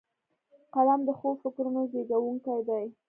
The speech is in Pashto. قلم د ښو فکرونو زیږوونکی دی